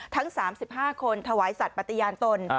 ทั้ง๓๕คนถวายสัตว์ปฏิญาณตน